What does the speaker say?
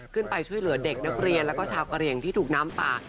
ขึ้นไปช่วยเหลือเด็กนักเรียนแล้วก็ชาวกะเหลี่ยงที่ถูกน้ำป่า